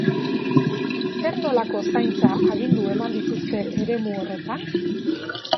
Zer nolako zaintza agindu eman dituzte eremu horretan?